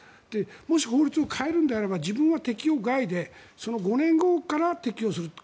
もし法律を変えるのであれば自分は適用外で５年後から適用すると。